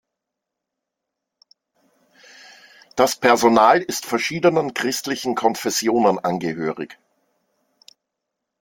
Das Personal ist verschiedenen christlichen Konfessionen angehörig.